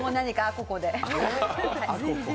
ここで。